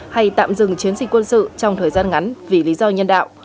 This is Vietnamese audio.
hay tạm dừng chiến dịch quân sự trong thời gian ngắn vì lý do nhân đạo